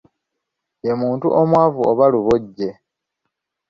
Ye muntu omwavu oba luboje.